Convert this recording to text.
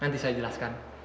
nanti saya jelaskan